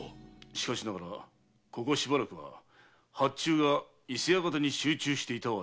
しかしながらここしばらく発注が伊勢屋方に集中していたは事実。